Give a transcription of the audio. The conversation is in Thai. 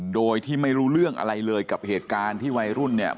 โดยที่ไม่รู้เรื่องอะไรเลยกับเหตุการณ์ที่วัยรุ่นเนี่ย